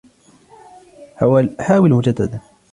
حاول مجدداً.